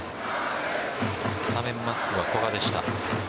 スタメンマスクは古賀でした。